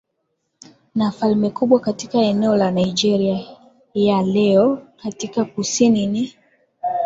na falme kubwa katika eneo la Nigeria ya leo Katika kusini ni